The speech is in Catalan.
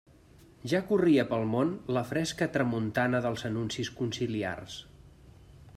Ja corria pel món la fresca tramuntana dels anuncis conciliars.